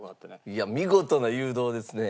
いや見事な誘導ですね。